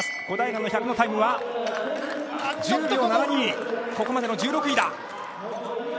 小平の１００のタイムは１０秒７２、ここまでの１６位だ。